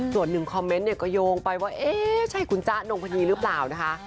ส่วนหนึ่งคอมเมนต์เนี่ยก็โยงไปว่าเอ๊ะใช่คุณจ๊ะนงพนีหรือเปล่านะคะ